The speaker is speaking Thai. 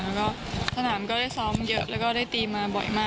แล้วก็สนามก็ได้ซ้อมเยอะแล้วก็ได้ตีมาบ่อยมาก